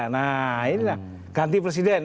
nah ini lah ganti presiden